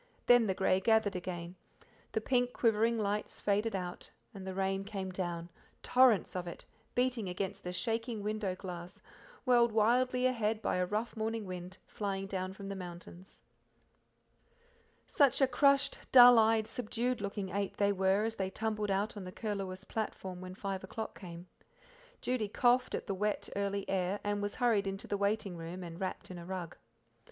Then the grey gathered again, the pink, quivering lights faded out, and the rain came down torrents of it, beating against the shaking window glass, whirled wildly ahead by a rough morning wind, flying down from the mountains. Such a crushed, dull eyed, subdued looking eight they were as they tumbled out on the Curlewis platform when five o'clock came. Judy coughed at the wet, early, air, and was hurried into the waiting room and wrapped in a rug.